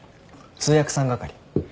通訳さん係。